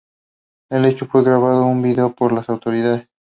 El hecho fue grabado en video por las autoridades.